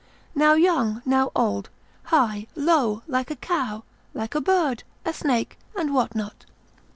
Now young, now old, high, low, like a cow, like a bird, a snake, and what not?